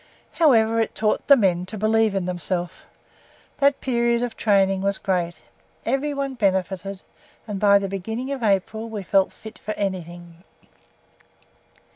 However, it taught the men to believe in themselves. That period of training was great. Everyone benefited, and by the beginning of April we felt fit for anything.